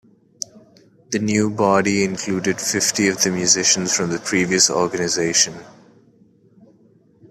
The new body included fifty of the musicians from the previous organisation.